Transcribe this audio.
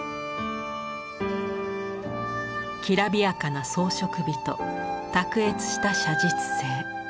きらびやかな装飾美と卓越した写実性。